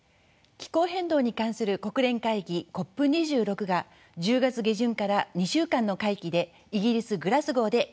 気候変動に関する国連会議ＣＯＰ２６が１０月下旬から２週間の会期でイギリス・グラスゴーで開催されます。